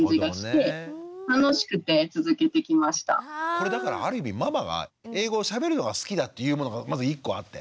これだからある意味ママが英語をしゃべるのが好きだっていうものもまず１個あって。